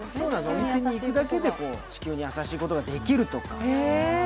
お店に行くだけで地球に優しいことができるとか。